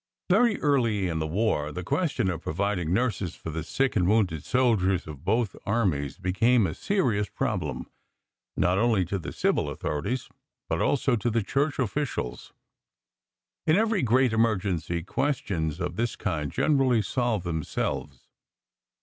[Illustration: LINCOLN.] Very early in the war the question of providing nurses for the sick and wounded soldiers of both armies became a serious problem, not only to the civil authorities, but also to the Church officials. In every great emergency questions of this kind generally solve themselves.